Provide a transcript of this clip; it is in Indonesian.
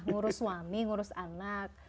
ngurus suami ngurus anak